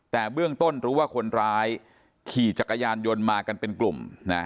แต่เบื้องต้นรู้ว่าคนร้ายขี่จักรยานยนต์มากันเป็นกลุ่มนะ